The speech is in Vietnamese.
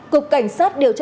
cục cảnh sát điều tra